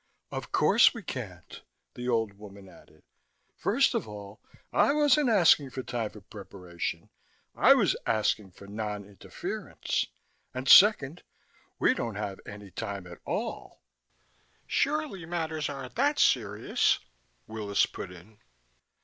"Of course we can't," the old woman added. "First of all, I wasn't asking for time for preparation. I was asking for non interference. And, second, we don't have any time at all." "Surely matters aren't that serious," Willis put in.